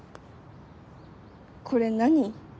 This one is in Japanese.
これ何？